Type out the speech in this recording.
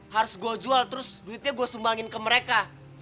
harus gue jual terus duitnya gue sumbangin ke mereka